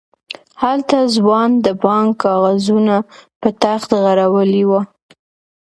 هلته ځوان د بانک کاغذونه په تخت غړولي وو.